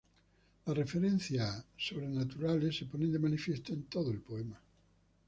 Las referencias sobrenaturales se ponen de manifiesto en todo el poema.